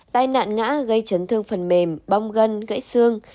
tai nạn ngã gây chấn thương phần mềm bong gân gãy xương